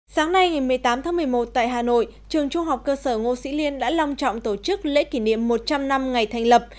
sáng nay ngày một mươi tám tháng một mươi một tại hà nội trường trung học cơ sở ngô sĩ liên đã long trọng tổ chức lễ kỷ niệm một trăm linh năm ngày thành lập